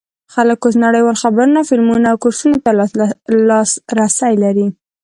خلک اوس نړیوالو خبرونو، فلمونو او کورسونو ته لاسرسی لري.